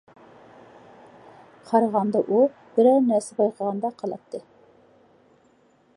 قارىغاندا ئۇ بىرەر نەرسە بايقىغاندەك قىلاتتى.